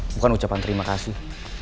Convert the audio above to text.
bukan ucapan terima kasih